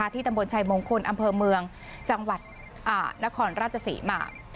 ตำบลชัยมงคลอำเภอเมืองจังหวัดนครราชศรีมา